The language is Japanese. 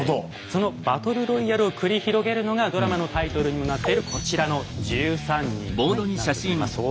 そのバトルロイヤルを繰り広げるのがドラマのタイトルにもなっているこちらの１３人なんですね。